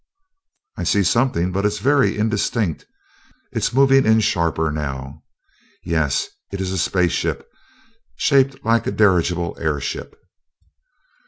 "I see something, but it is very indistinct. It is moving in sharper now. Yes, it is a space ship, shaped like a dirigible airship."